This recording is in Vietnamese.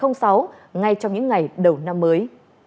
ngay trong những ngày đầu năm mới